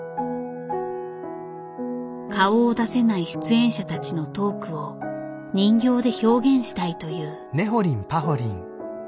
顔を出せない出演者たちのトークを人形で表現したいという。